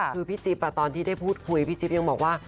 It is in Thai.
คือพี่จิ๊บตอนที่ได้พูดคุยพี่จิ๊บยังบอกว่า